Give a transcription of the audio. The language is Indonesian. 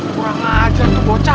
kurang ajar bu bocah